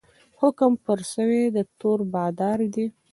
حکم پر سوی د تور بادار دی